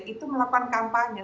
itu melakukan kampanye